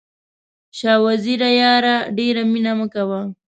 شاه وزیره یاره ډېره مینه مه کوه.